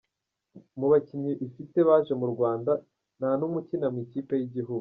Mu bakinnyi ifite baje mu Rwanda nta numwe ukina mu ikipe y’igihugu.